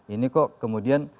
ini kok kemudian